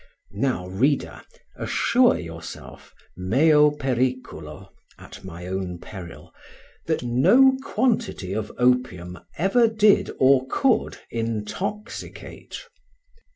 Now, reader, assure yourself, meo perieulo, that no quantity of opium ever did or could intoxicate.